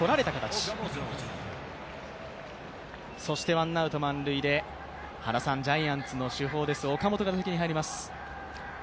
ワンアウト満塁で、ジャイアンツの主砲、岡本が打席に入ります。